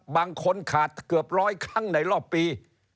บางคนขาดเกือบร้อยครั้งในรอบปี